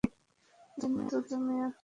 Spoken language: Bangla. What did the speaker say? কিন্তু তুমি আহত!